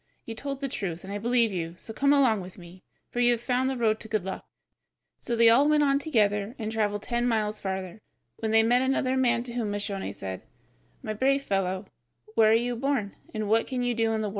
"You told the truth, and I believe you, so come along with me, for you have found the road to good luck." "Well and good," said the youth. So they all went on together and traveled ten miles farther, when they met another man, to whom Moscione said: "My brave fellow, where were you born and what can you do in the world?"